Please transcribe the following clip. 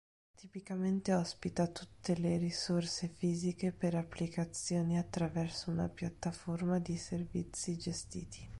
Tipicamente ospita tutte le risorse fisiche per applicazioni attraverso una piattaforma di servizi gestiti.